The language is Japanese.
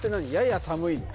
やや寒いの？